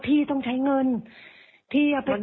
พี่ต้องใช้เงินพี่